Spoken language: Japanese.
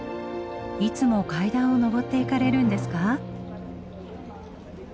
いつも階段を上っていかれるんですか？